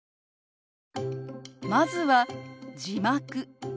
まずは「字幕」。